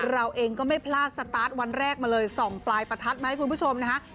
เราเองก็ไม่พลาดสตาร์ทวันแรกมาเลยส่องปลายประทัดมาให้คุณผู้ชมนะฮะ